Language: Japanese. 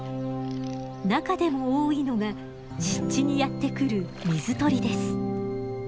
中でも多いのが湿地にやって来る水鳥です。